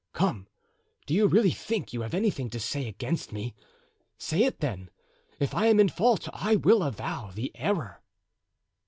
Come, do you really think you have anything to say against me? Say it then; if I am in fault I will avow the error."